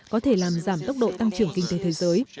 có thể làm giảm tốc độ tăng trưởng kinh tế thế giới